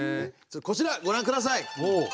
こちらご覧下さい。